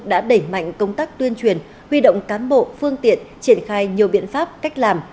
đã đẩy mạnh công tác tuyên truyền huy động cán bộ phương tiện triển khai nhiều biện pháp cách làm